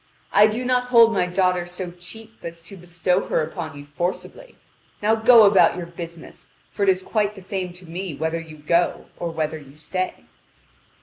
I do not hold my daughter so cheap as to bestow her upon you forcibly. Now go about your business. For it is quite the same to me whether you go or whether you stay."